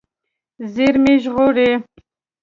زیرمې ژغورئ.